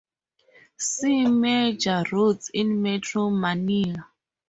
See Major roads in Metro Manila.